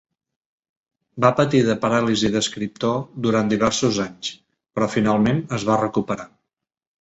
Va patir de paràlisi d'escriptor durant diversos anys, però finalment es va recuperar.